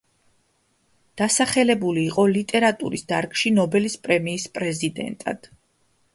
დასახელებული იყო ლიტერატურის დარგში ნობელის პრემიის პრეტენდენტად.